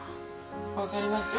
分かりますよ。